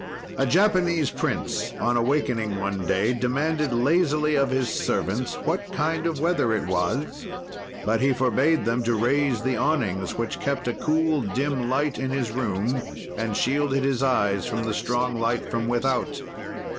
"A Japanese prince, on awakening, one day, demanded lazily of his servants what kind of weather it was, but he forbade them to raise the awnings which kept a cool, dim light in his room and shielded his eyes from the strong light from without.